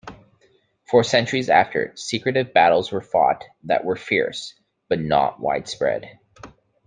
For centuries after, secretive battles were fought that were fierce, but not widespread.